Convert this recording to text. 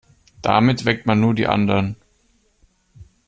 Damit weckt man nur die anderen.